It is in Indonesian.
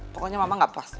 pokoknya mama gak puas